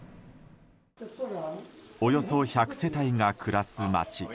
およそ１００世帯が暮らす町。